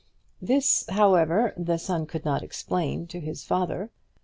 This, however, the son could not explain to the father.